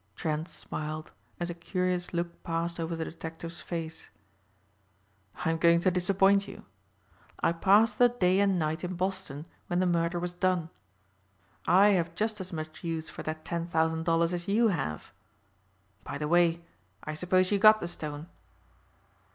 Trent smiled as a curious look passed over the detective's face, "I'm going to disappoint you. I passed the day and night in Boston when the murder was done. I have just as much use for that ten thousand dollars as you have. By the way I suppose you got the stone?"